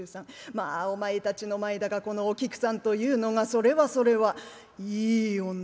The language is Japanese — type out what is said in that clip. まあお前たちの前だがこのお菊さんというのがそれはそれはいい女だったそうだな」。